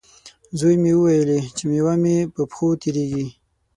زوی مې وویلې، چې میوه مې په پښو تېرېږي.